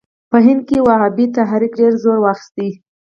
په هند کې وهابي تحریک ډېر زور واخیست.